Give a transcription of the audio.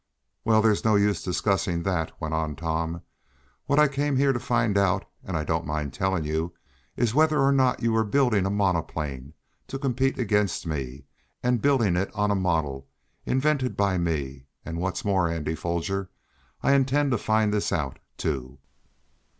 "Well, there's no use discussing that," went on Tom. "What I came here to find out, and I don't mind telling you, is whether or not you are building a monoplane to compete against me, and building it on a model invented by me; and what's more, Andy Foger, I intend to find this out, too!"